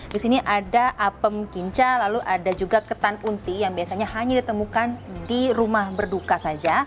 di sini ada apem kinca lalu ada juga ketan unti yang biasanya hanya ditemukan di rumah berduka saja